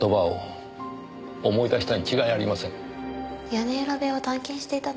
屋根裏部屋を探検していたの。